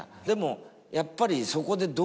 でもやっぱりそこで。